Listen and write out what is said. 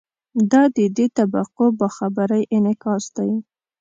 دا د دې طبقو باخبرۍ انعکاس دی.